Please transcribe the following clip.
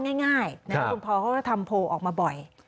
คุณพอลเขาก็ทำโพลออกมาบ่อย